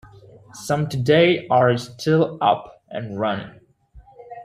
Some today are still up and running.